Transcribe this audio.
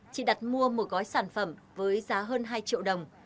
chị đặt mua một gói sản phẩm với giá hơn hai triệu đồng